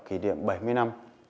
kỷ niệm bảy mươi năm